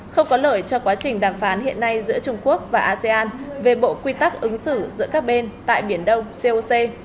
không có lợi cho quá trình đàm phán hiện nay giữa trung quốc và asean về bộ quy tắc ứng xử giữa các bên tại biển đông coc